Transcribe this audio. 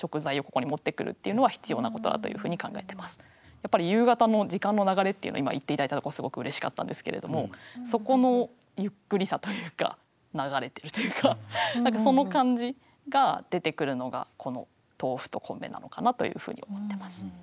やっぱり夕方の時間の流れっていうの今言って頂いたとこすごくうれしかったんですけれどもそこのゆっくりさというか流れてるというかその感じが出てくるのがこの「豆腐」と「米」なのかなというふうに思ってます。